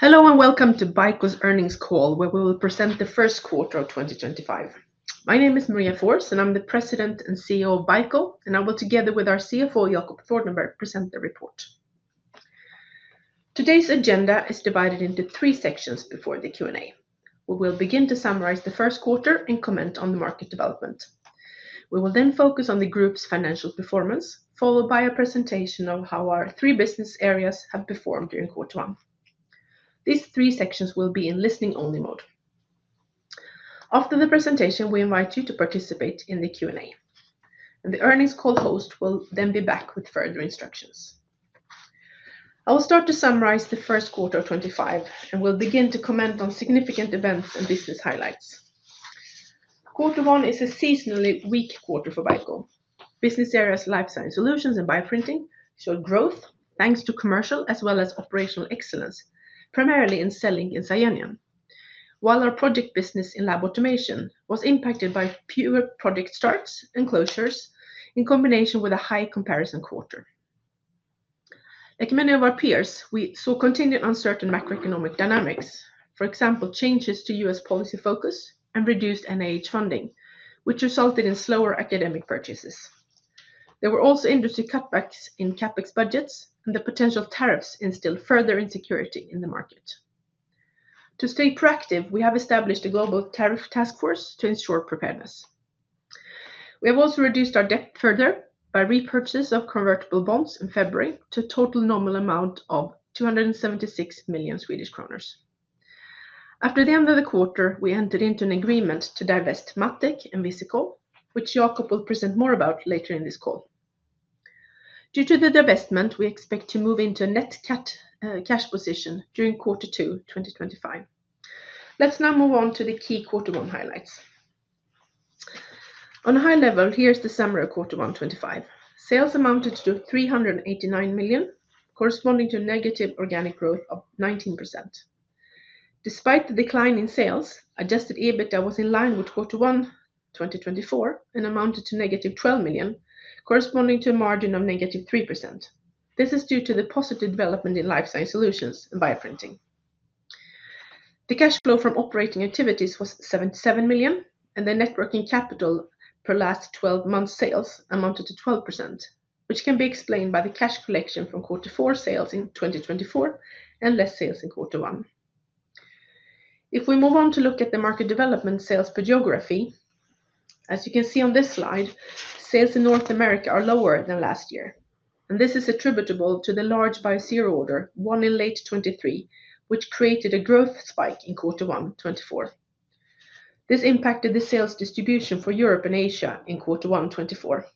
Hello and welcome to BICO's earnings call, where we will present the first quarter of 2025. My name is Maria Forss, and I'm the President and CEO of BICO, and I will, together with our CFO Jacob Thordenberg, present the report. Today's agenda is divided into three sections before the Q&A. We will begin to summarize the first quarter and comment on the market development. We will then focus on the Group's financial performance, followed by a presentation of how our three business areas have performed during quarter one. These three sections will be in listening-only mode. After the presentation, we invite you to participate in the Q&A, and the earnings call host will then be back with further instructions. I will start to summarize the first quarter of 2025, and we'll begin to comment on significant events and business highlights. Quarter one is a seasonally weak quarter for BICO. Business areas like life science solutions and bioprinting showed growth thanks to commercial as well as operational excellence, primarily in CELLINK in Europe. While our project business in lab automation was impacted by fewer project starts and closures in combination with a high comparison quarter. Like many of our peers, we saw continued uncertain macroeconomic dynamics, for example, changes to U.S. policy focus and reduced NIH funding, which resulted in slower academic purchases. There were also industry cutbacks in CapEx budgets and the potential tariffs instilled further insecurity in the market. To stay proactive, we have established a global tariff task force to ensure preparedness. We have also reduced our debt further by repurchase of convertible bonds in February to a total nominal amount of 276 million Swedish kronor. After the end of the quarter, we entered into an agreement to divest MatTek and Visikol which Jacob will present more about later in this call. Due to the divestment, we expect to move into a net cash position during quarter two 2025. Let's now move on to the key quarter one highlights. On a high level, here's the summary of quarter one 2025. Sales amounted to 389 million, corresponding to a negative organic growth of 19%. Despite the decline in sales, adjusted EBITDA was in line with quarter one 2024 and amounted to -12 million, corresponding to a margin of -3%. This is due to the positive development in life science solutions and bioprinting. The cash flow from operating activities was 77 million, and the net working capital per last 12 months' sales amounted to 12%, which can be explained by the cash collection from quarter four sales in 2024 and less sales in quarter one. If we move on to look at the market development sales per geography, as you can see on this slide, sales in North America are lower than last year, and this is attributable to the large Biosero order, one in late 2023, which created a growth spike in quarter one 2024. This impacted the sales distribution for Europe and Asia in quarter one 2024.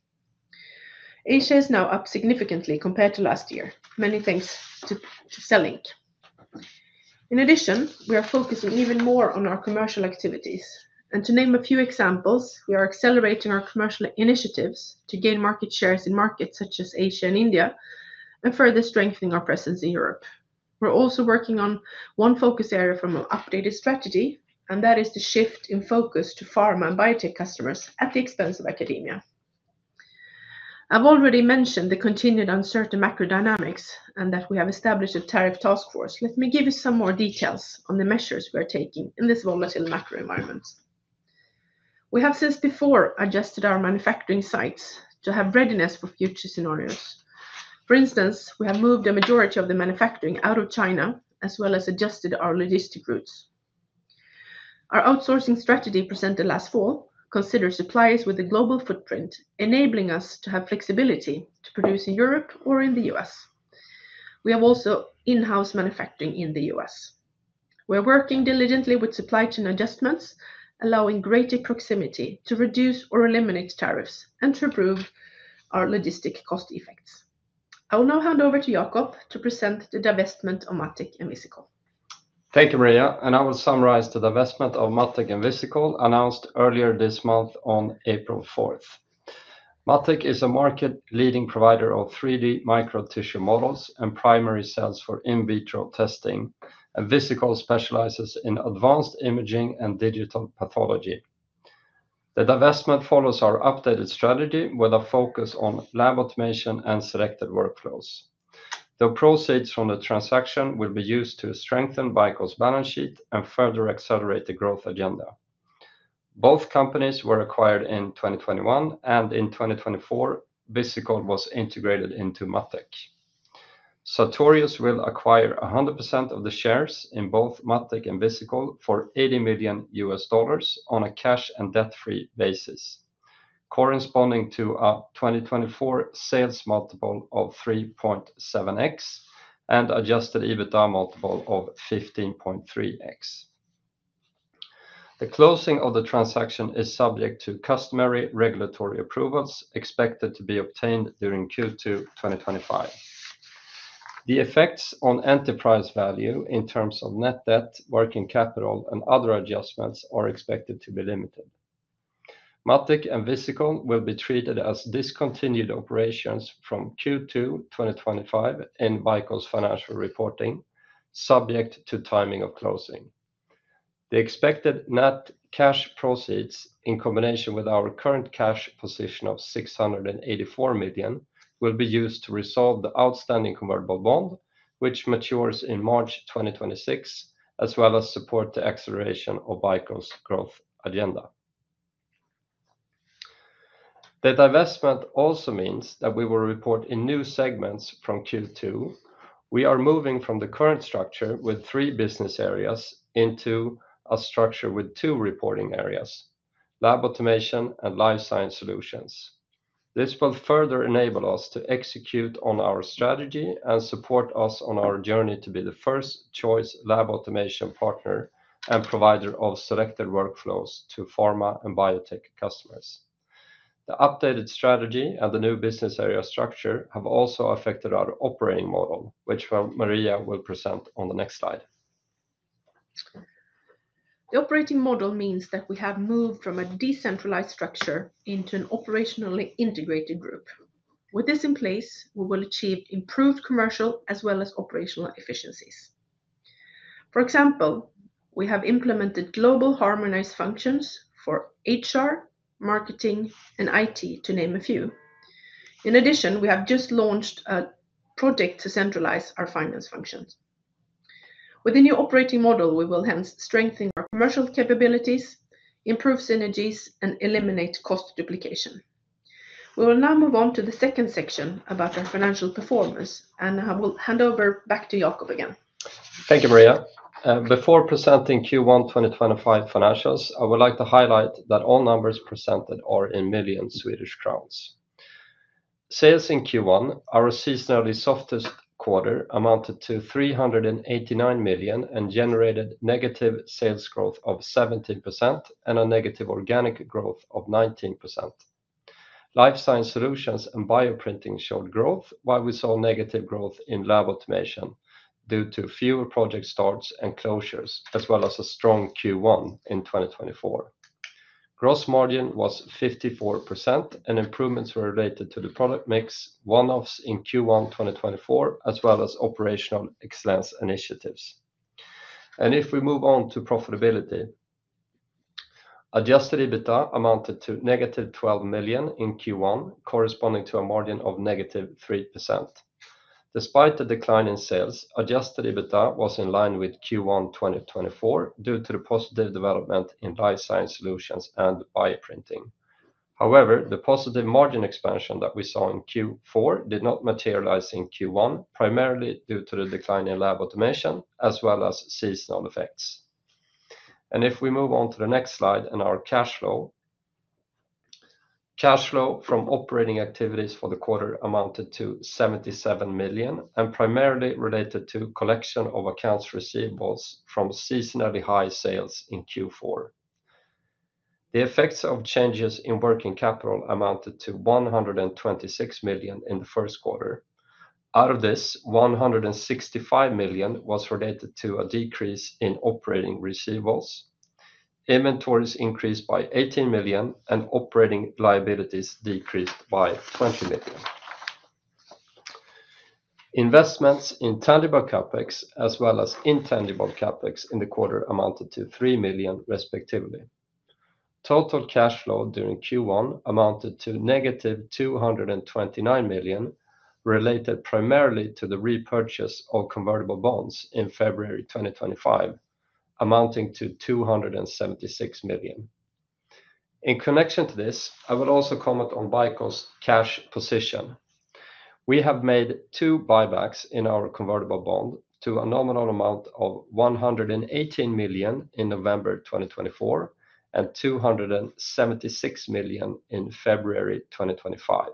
Asia is now up significantly compared to last year, many thanks to CELLINK. In addition, we are focusing even more on our commercial activities, and to name a few examples, we are accelerating our commercial initiatives to gain market shares in markets such as Asia and India and further strengthening our presence in Europe. We are also working on one focus area from an updated strategy, and that is the shift in focus to pharma and biotech customers at the expense of academia. I have already mentioned the continued uncertain macro dynamics and that we have established a tariff task force. Let me give you some more details on the measures we are taking in this volatile macro environment. We have since before adjusted our manufacturing sites to have readiness for future scenarios. For instance, we have moved the majority of the manufacturing out of China, as well as adjusted our logistic routes. Our outsourcing strategy presented last fall considers suppliers with a global footprint, enabling us to have flexibility to produce in Europe or in the U.S. We have also in-house manufacturing in the U.S. We're working diligently with supply chain adjustments, allowing greater proximity to reduce or eliminate tariffs and to improve our logistic cost effects. I will now hand over to Jacob to present the divestment of MatTek and Visikol. Thank you, Maria, and I will summarize the divestment of MatTek and Visikol announced earlier this month on April 4th. MatTek is a market-leading provider of 3D microtissue models and primary cells for in vitro testing, and Visikol specializes in advanced imaging and digital pathology. The divestment follows our updated strategy with a focus on lab automation and selected workflows. The proceeds from the transaction will be used to strengthen BICO's balance sheet and further accelerate the growth agenda. Both companies were acquired in 2021, and in 2024, Visikol was integrated into MatTek. Sartorius will acquire 100% of the shares in both MatTek and Visikol for $80 million on a cash and debt-free basis, corresponding to a 2024 sales multiple of 3.7x and adjusted EBITDA multiple of 15.3x. The closing of the transaction is subject to customary regulatory approvals expected to be obtained during Q2 2025. The effects on enterprise value in terms of net debt, working capital, and other adjustments are expected to be limited. MatTek and Visikol will be treated as discontinued operations from Q2 2025 in BICO's financial reporting, subject to timing of closing. The expected net cash proceeds, in combination with our current cash position of 684 million, will be used to resolve the outstanding convertible bond, which matures in March 2026, as well as support the acceleration of BICO's growth agenda. The divestment also means that we will report in new segments from Q2. We are moving from the current structure with three business areas into a structure with two reporting areas: lab automation and life science solutions. This will further enable us to execute on our strategy and support us on our journey to be the first-choice lab automation partner and provider of selected workflows to pharma and biotech customers. The updated strategy and the new business area structure have also affected our operating model, which Maria will present on the next slide. The operating model means that we have moved from a decentralized structure into an operationally integrated group. With this in place, we will achieve improved commercial as well as operational efficiencies. For example, we have implemented global harmonized functions for HR, marketing, and IT, to name a few. In addition, we have just launched a project to centralize our finance functions. With the new operating model, we will hence strengthen our commercial capabilities, improve synergies, and eliminate cost duplication. We will now move on to the second section about our financial performance, and I will hand over back to Jacob again. Thank you, Maria. Before presenting Q1 2025 financials, I would like to highlight that all numbers presented are in million Swedish kronas. Sales in Q1, our seasonally softest quarter, amounted to 389 million and generated negative sales growth of 17% and a negative organic growth of 19%. Life science solutions and bioprinting showed growth, while we saw negative growth in lab automation due to fewer project starts and closures, as well as a strong Q1 in 2024. Gross margin was 54%, and improvements were related to the product mix, one-offs in Q1 2024, as well as operational excellence initiatives. If we move on to profitability, adjusted EBITDA amounted to -12 million in Q1, corresponding to a margin of -3%. Despite the decline in sales, adjusted EBITDA was in line with Q1 2024 due to the positive development in life science solutions and bioprinting. However, the positive margin expansion that we saw in Q4 did not materialize in Q1, primarily due to the decline in lab automation, as well as seasonal effects. If we move on to the next slide and our cash flow, cash flow from operating activities for the quarter amounted to 77 million and primarily related to collection of accounts receivables from seasonally high sales in Q4. The effects of changes in working capital amounted to 126 million in the first quarter. Out of this, 165 million was related to a decrease in operating receivables. Inventories increased by 18 million and operating liabilities decreased by 20 million. Investments in tangible CapEx, as well as intangible CapEx in the quarter, amounted to 3 million, respectively. Total cash flow during Q1 amounted to -229 million, related primarily to the repurchase of convertible bonds in February 2025, amounting to 276 million. In connection to this, I will also comment on BICO's cash position. We have made two buybacks in our convertible bond to a nominal amount of 118 million in November 2024 and 276 million in February 2025.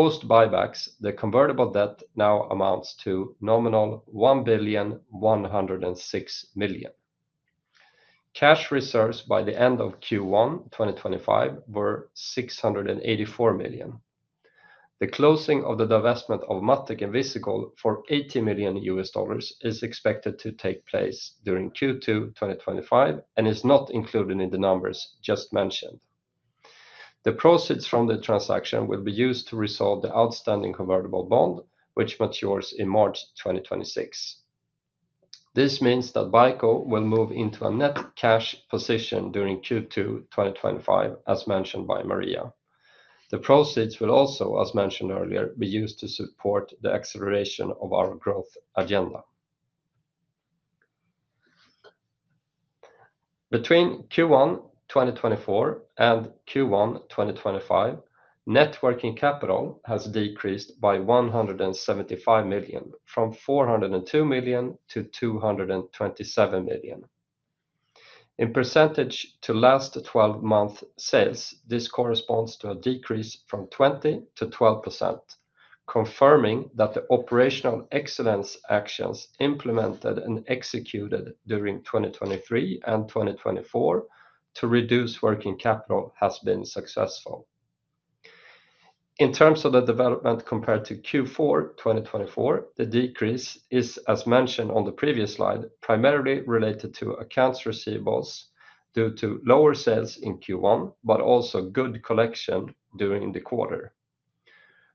Post buybacks, the convertible debt now amounts to nominal 1,106 million. Cash reserves by the end of Q1 2025 were 684 million. The closing of the divestment of MatTek and Visikol for $80 million is expected to take place during Q2 2025 and is not included in the numbers just mentioned. The proceeds from the transaction will be used to resolve the outstanding convertible bond, which matures in March 2026. This means that BICO will move into a net cash position during Q2 2025, as mentioned by Maria. The proceeds will also, as mentioned earlier, be used to support the acceleration of our growth agenda. Between Q1 2024 and Q1 2025, net working capital has decreased by 175 million, from 402 million to 227 million. In percentage to last 12-month sales, this corresponds to a decrease from 20% to 12%, confirming that the operational excellence actions implemented and executed during 2023 and 2024 to reduce working capital have been successful. In terms of the development compared to Q4 2024, the decrease is, as mentioned on the previous slide, primarily related to accounts receivables due to lower sales in Q1, but also good collection during the quarter.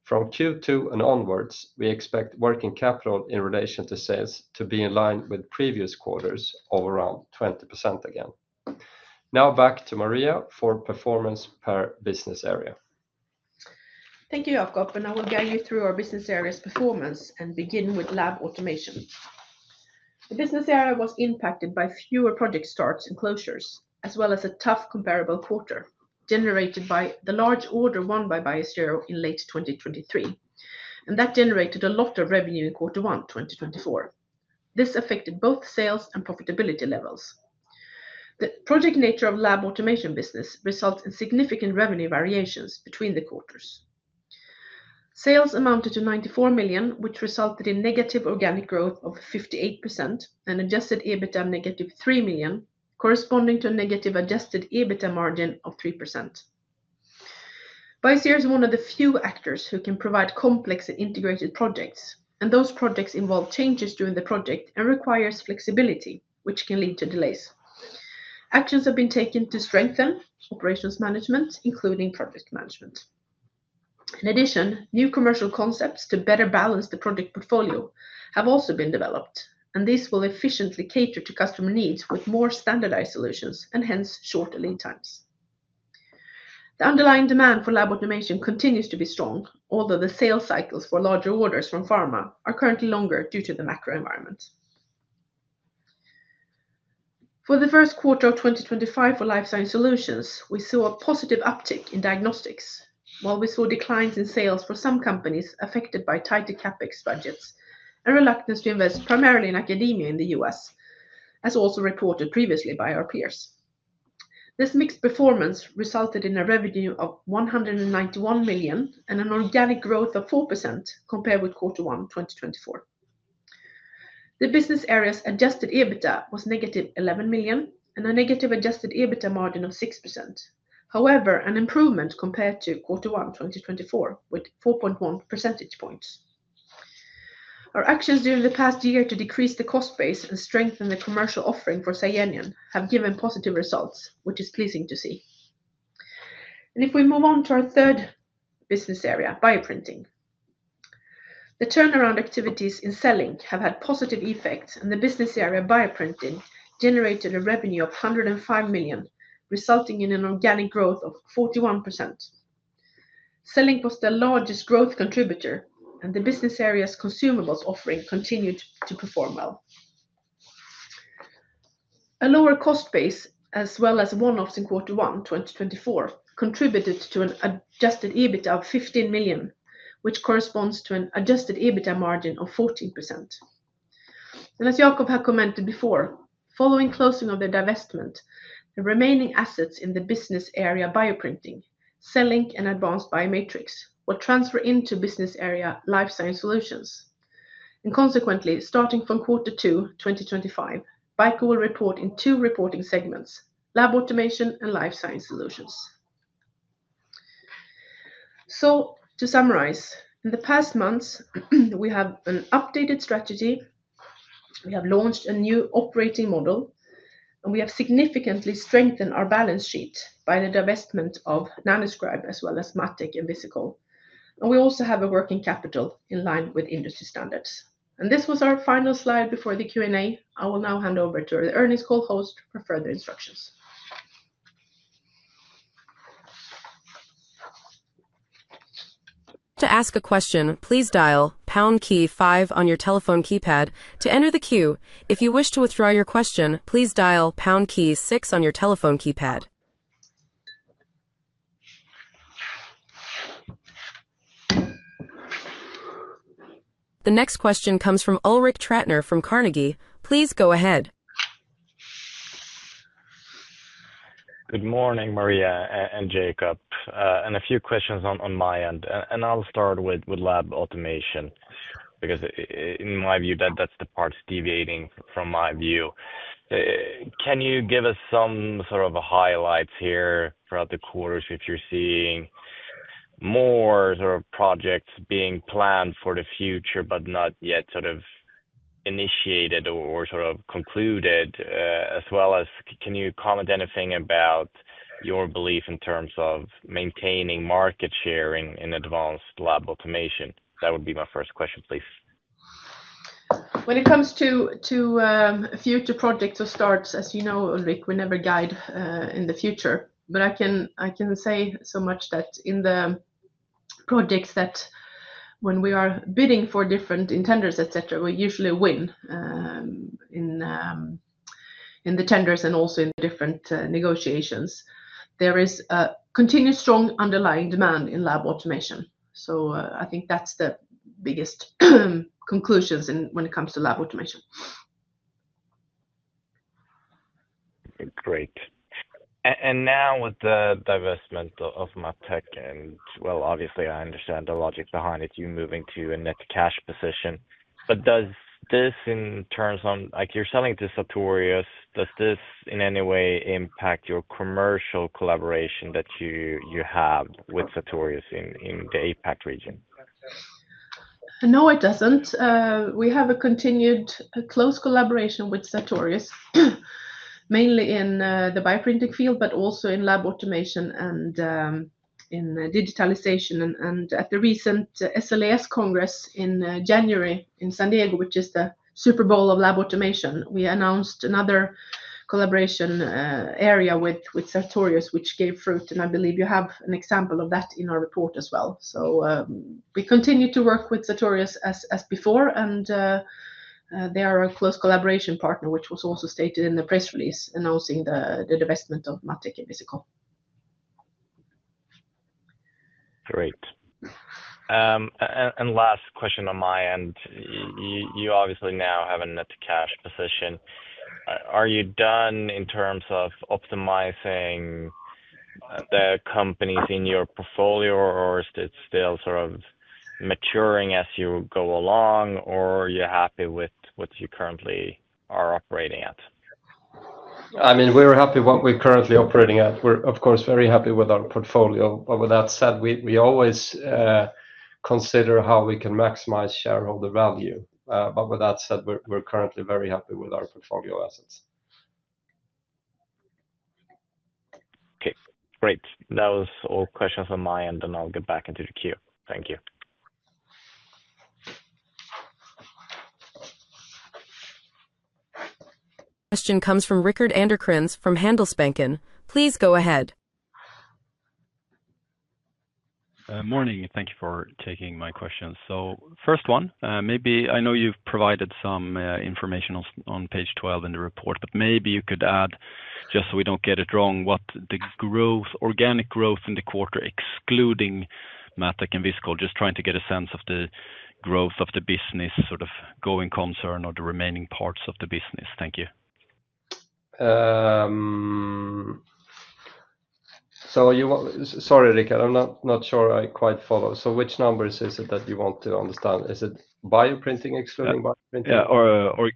From Q2 and onwards, we expect working capital in relation to sales to be in line with previous quarters of around 20% again. Now back to Maria for performance per business area. Thank you, Jacob, and I will guide you through our business area's performance and begin with lab automation. The business area was impacted by fewer project starts and closures, as well as a tough comparable quarter generated by the large order won by Biosero in late 2023, and that generated a lot of revenue in quarter one 2024. This affected both sales and profitability levels. The project nature of lab automation business results in significant revenue variations between the quarters. Sales amounted to 94 million, which resulted in negative organic growth of 58% and adjusted EBITDA -3 million, corresponding to a negative adjusted EBITDA margin of 3%. BICO is one of the few actors who can provide complex and integrated projects, and those projects involve changes during the project and require flexibility, which can lead to delays. Actions have been taken to strengthen operations management, including project management. In addition, new commercial concepts to better balance the project portfolio have also been developed, and these will efficiently cater to customer needs with more standardized solutions and hence shorter lead times. The underlying demand for lab automation continues to be strong, although the sales cycles for larger orders from pharma are currently longer due to the macro environment. For the first quarter of 2025 for life science solutions, we saw a positive uptick in diagnostics, while we saw declines in sales for some companies affected by tighter CapEx budgets and reluctance to invest primarily in academia in the U.S., as also reported previously by our peers. This mixed performance resulted in a revenue of 191 million and an organic growth of 4% compared with quarter one 2024. The business area's adjusted EBITDA was -11 million and a negative adjusted EBITDA margin of 6%. However, an improvement compared to quarter one 2024 with 4.1 percentage points. Our actions during the past year to decrease the cost base and strengthen the commercial offering for SCIENION have given positive results, which is pleasing to see. If we move on to our third business area, bioprinting, the turnaround activities in CELLINK have had positive effects, and the business area bioprinting generated a revenue of 105 million, resulting in an organic growth of 41%. CELLINK was the largest growth contributor, and the business area's consumables offering continued to perform well. A lower cost base, as well as one-offs in quarter one 2024, contributed to an adjusted EBITDA of 15 million, which corresponds to an adjusted EBITDA margin of 14%. As Jacob had commented before, following closing of the divestment, the remaining assets in the business area bioprinting, CELLINK, and Advanced BioMatrix will transfer into business area life science solutions. Consequently, starting from quarter two 2025, BICO will report in two reporting segments: lab automation and life science solutions. To summarize, in the past months, we have an updated strategy. We have launched a new operating model, and we have significantly strengthened our balance sheet by the divestment of Nanoscribe as well as MatTek and Visikol. We also have a working capital in line with industry standards. This was our final slide before the Q&A. I will now hand over to the earnings call host for further instructions. To ask a question, please dial pound key five on your telephone keypad to enter the queue. If you wish to withdraw your question, please dial pound key six on your telephone keypad. The next question comes from Ulrik Trattner from Carnegie. Please go ahead. Good morning, Maria and Jacob, and a few questions on my end. I'll start with lab automation because, in my view, that's the part deviating from my view. Can you give us some sort of highlights here throughout the quarters if you're seeing more projects being planned for the future but not yet sort of initiated or sort of concluded? As well as, can you comment anything about your belief in terms of maintaining market share in advanced lab automation? That would be my first question, please. When it comes to future projects or starts, as you know, Ulrik, we never guide in the future. But I can say so much that in the projects that when we are bidding for different tenders, etc., we usually win in the tenders and also in the different negotiations. There is a continued strong underlying demand in lab automation. I think that's the biggest conclusions when it comes to lab automation. Great. Now with the divestment of MatTek, and, well, obviously, I understand the logic behind it, you moving to a net cash position. Does this, in terms of you selling to Sartorius, in any way impact your commercial collaboration that you have with Sartorius in the APAC region? No, it doesn't. We have a continued close collaboration with Sartorius, mainly in the bioprinting field, but also in lab automation and in digitalization. At the recent SLAS Congress in January in San Diego, which is the Super Bowl of lab automation, we announced another collaboration area with Sartorius, which gave fruit. I believe you have an example of that in our report as well. We continue to work with Sartorius as before, and they are a close collaboration partner, which was also stated in the press release announcing the divestment of MatTek and Visikol. Great. Last question on my end. You obviously now have a net cash position. Are you done in terms of optimizing the companies in your portfolio, or is it still sort of maturing as you go along, or are you happy with what you currently are operating at? I mean, we're happy with what we're currently operating at. We're, of course, very happy with our portfolio. With that said, we always consider how we can maximize shareholder value. With that said, we're currently very happy with our portfolio assets. Okay. Great. That was all questions on my end, and I'll get back into the queue. Thank you. Question comes from Rickard Anderkrans from Handelsbanken. Please go ahead. Morning. Thank you for taking my questions. First one, maybe I know you've provided some information on page 12 in the report, but maybe you could add, just so we don't get it wrong, what the organic growth in the quarter, excluding MatTek and Visikol, just trying to get a sense of the growth of the business, sort of going concern or the remaining parts of the business. Thank you. Sorry, Rickard, I'm not sure I quite follow. Which numbers is it that you want to understand? Is it bioprinting, excluding bioprinting? Yeah. Or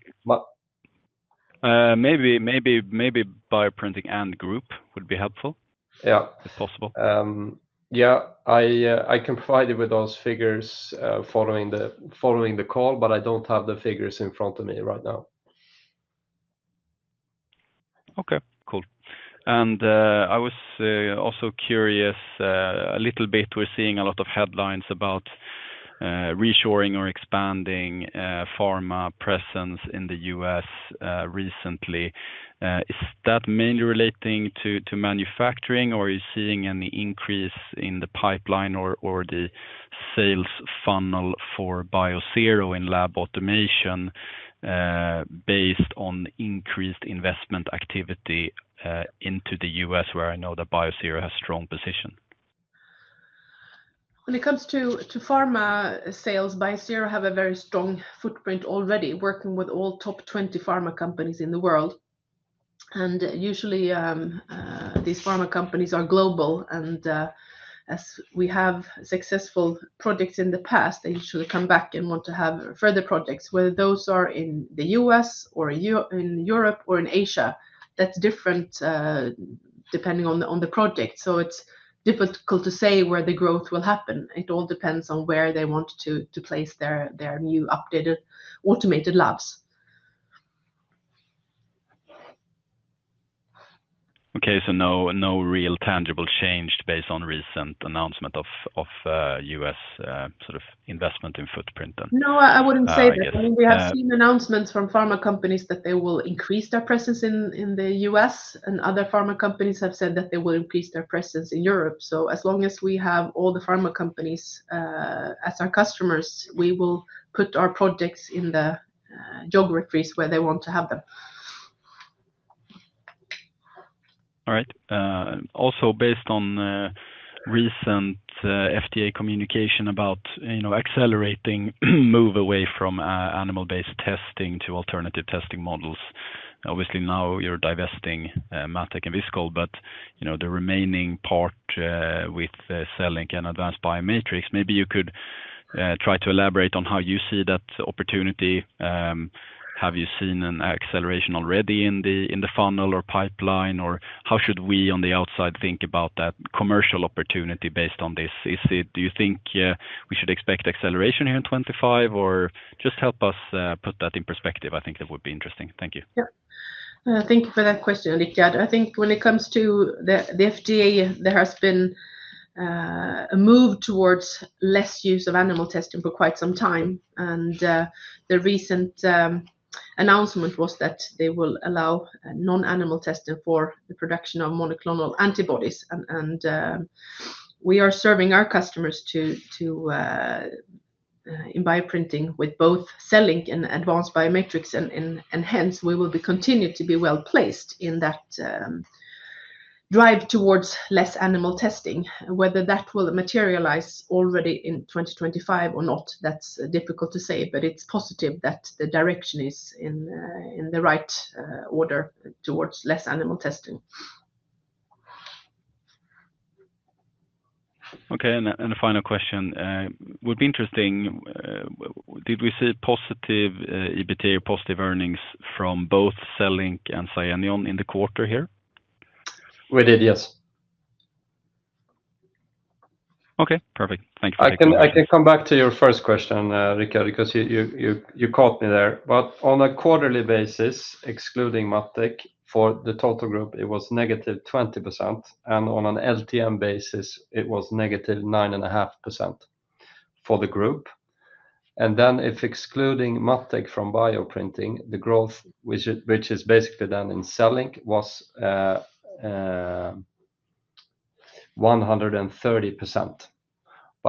maybe bioprinting and group would be helpful if possible. Yeah. I can provide you with those figures following the call, but I don't have the figures in front of me right now. Okay. Cool. I was also curious a little bit. We're seeing a lot of headlines about reshoring or expanding pharma presence in the U.S. recently. Is that mainly relating to manufacturing, or are you seeing any increase in the pipeline or the sales funnel for Biosero in lab automation based on increased investment activity into the U.S., where I know that Biosero has a strong position? When it comes to pharma sales, Biosero has a very strong footprint already, working with all top 20 pharma companies in the world. These pharma companies are global. As we have successful projects in the past, they usually come back and want to have further projects. Whether those are in the U.S. or in Europe or in Asia, that's different depending on the project. It is difficult to say where the growth will happen. It all depends on where they want to place their new updated automated labs. Okay. So no real tangible change based on recent announcement of U.S. sort of investment in footprint? No, I wouldn't say that. I mean, we have seen announcements from pharma companies that they will increase their presence in the U.S., and other pharma companies have said that they will increase their presence in Europe. As long as we have all the pharma companies as our customers, we will put our projects in the geographies where they want to have them. All right. Also, based on recent FDA communication about accelerating move away from animal-based testing to alternative testing models, obviously, now you're divesting MatTek and Visikol, but the remaining part with CELLINK and Advanced BioMatrix, maybe you could try to elaborate on how you see that opportunity. Have you seen an acceleration already in the funnel or pipeline, or how should we on the outside think about that commercial opportunity based on this? Do you think we should expect acceleration here in 2025, or just help us put that in perspective? I think that would be interesting. Thank you. Yeah. Thank you for that question, Rickard. I think when it comes to the FDA, there has been a move towards less use of animal testing for quite some time. The recent announcement was that they will allow non-animal testing for the production of monoclonal antibodies. We are serving our customers in bioprinting with both CELLINK and Advanced BioMetrics, and hence, we will continue to be well placed in that drive towards less animal testing. Whether that will materialize already in 2025 or not, that's difficult to say, but it's positive that the direction is in the right order towards less animal testing. Okay. A final question. It would be interesting, did we see positive EBITDA or positive earnings from both CELLINK and SCIENION in the quarter here? We did, yes. Okay. Perfect. Thank you for the question. I can come back to your first question, Rickard, because you caught me there. On a quarterly basis, excluding MatTek, for the total group, it was -20%. On an LTM basis, it was -9.5% for the group. If excluding MatTek from bioprinting, the growth, which is basically done in CELLINK, was 130%.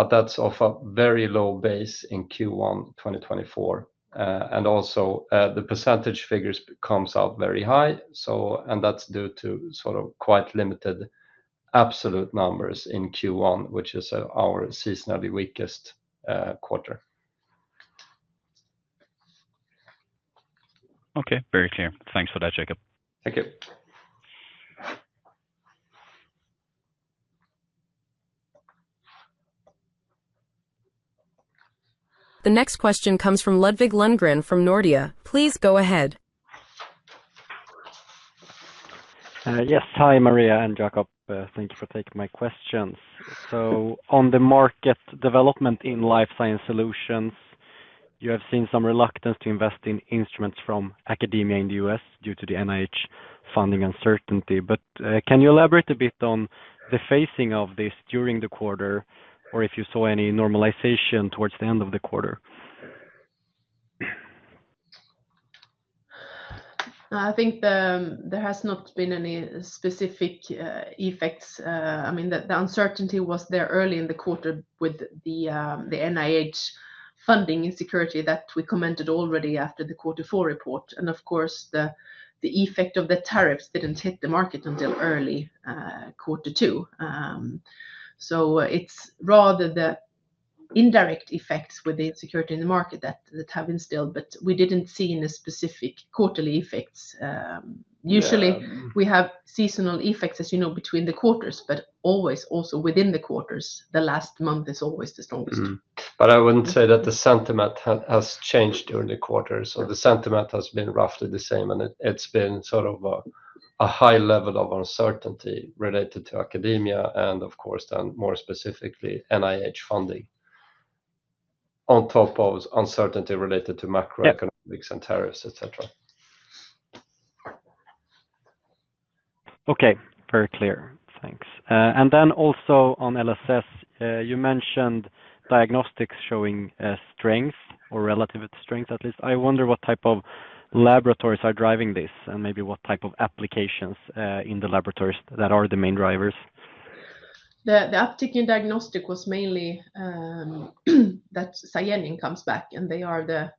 That is off a very low base in Q1 2024. Also, the percentage figures come out very high, and that is due to sort of quite limited absolute numbers in Q1, which is our seasonally weakest quarter. Okay. Very clear. Thanks for that, Jacob. Thank you. The next question comes from Ludvig Lundgren from Nordea. Please go ahead. Yes. Hi, Maria and Jacob. Thank you for taking my questions. On the market development in life science solutions, you have seen some reluctance to invest in instruments from academia in the U.S. due to the NIH funding uncertainty. Can you elaborate a bit on the phasing of this during the quarter, or if you saw any normalization towards the end of the quarter? I think there has not been any specific effects. I mean, the uncertainty was there early in the quarter with the NIH funding insecurity that we commented already after the quarter four report. Of course, the effect of the tariffs did not hit the market until early quarter two. It is rather the indirect effects with the insecurity in the market that have instilled, but we did not see any specific quarterly effects. Usually, we have seasonal effects, as you know, between the quarters, but always also within the quarters. The last month is always the strongest. I would not say that the sentiment has changed during the quarter. The sentiment has been roughly the same, and it has been sort of a high level of uncertainty related to academia and, of course, then more specifically, NIH funding on top of uncertainty related to macroeconomics and tariffs, etc. Okay. Very clear. Thanks. Also on LSS, you mentioned diagnostics showing strength or relative strength at least. I wonder what type of laboratories are driving this and maybe what type of applications in the laboratories that are the main drivers. The uptick in diagnostic was mainly that CYTENA comes back, and they are the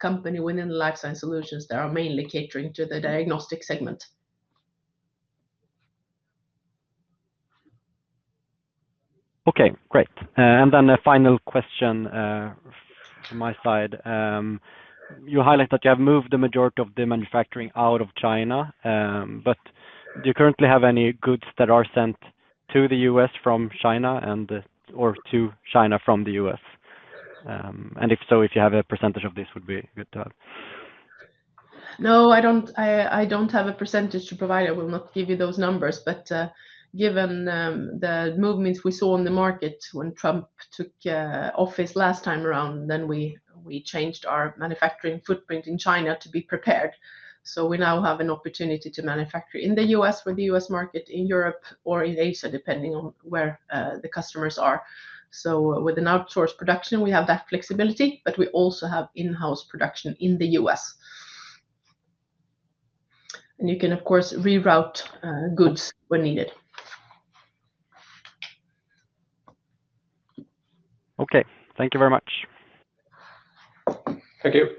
company within life science solutions that are mainly catering to the diagnostic segment. Okay. Great. A final question from my side. You highlight that you have moved the majority of the manufacturing out of China, but do you currently have any goods that are sent to the U.S. from China or to China from the U.S.? If so, if you have a percentage of this, it would be good to have. No, I don't have a percentage to provide. I will not give you those numbers. Given the movements we saw in the market when Trump took office last time around, we changed our manufacturing footprint in China to be prepared. We now have an opportunity to manufacture in the U.S. for the U.S. market, in Europe, or in Asia, depending on where the customers are. With an outsourced production, we have that flexibility, but we also have in-house production in the U.S. You can, of course, reroute goods when needed. Okay. Thank you very much. Thank you.